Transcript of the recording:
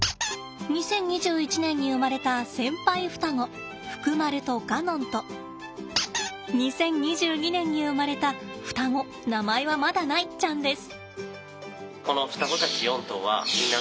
２０２１年に生まれた先輩双子フクマルとカノンと２０２２年に生まれた双子名前はまだないちゃんです。